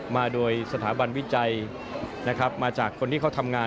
มาโดยสถาบันวิจัยนะครับมาจากคนที่เขาทำงาน